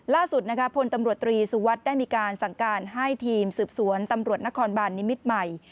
ล่าสุดนะคะพลตำรวจตรีสุวัสดิ์ได้มีการสั่งการให้ทีมสืบสวนตำรวจนครบานนิมิตรใหม่